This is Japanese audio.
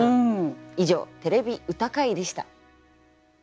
以上「てれび歌会」でした。